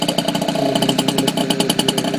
মেঝে জুড়িয়া ফরাশ পাতা।